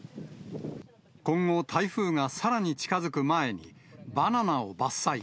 今後、台風がさらに近づく前に、バナナを伐採。